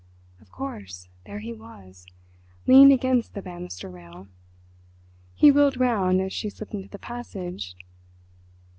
Of course, there he was—leaning against the banister rail. He wheeled round as she slipped into the passage.